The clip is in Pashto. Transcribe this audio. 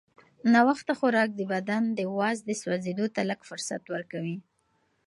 ناوخته خوراک د بدن د وازدې سوځېدو ته لږ فرصت ورکوي.